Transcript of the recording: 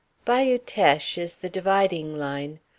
Bayou Teche is the dividing line.